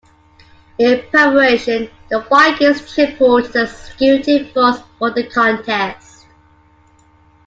In preparation, the Vikings tripled their security force for the contest.